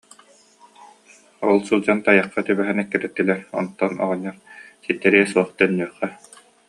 Ол сылдьан тайахха түбэһэн эккирэттилэр, онтон оҕонньоттор: «Ситтэриэ суох, төннүөххэ»